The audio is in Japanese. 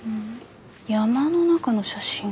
山の中の写真？